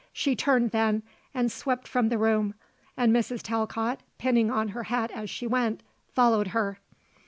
She turned then and swept from the room, and Mrs. Talcott, pinning on her hat as she went, followed her.